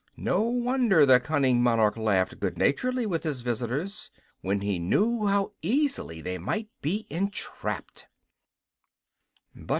No wonder the cunning monarch laughed good naturedly with his visitors, when he knew how easily they might be entrapped.